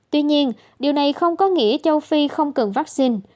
tuy nhiên điều này không có nghĩa châu phi không cần vaccine